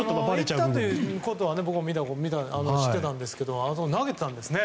行ったことは知ってたんですけど投げてたんですね。